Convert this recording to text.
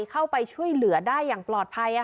เข้าไปช่วยเหลือได้อย่างปลอดภัย